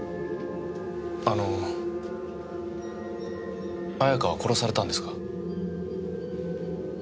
あの綾香は殺されたんですか？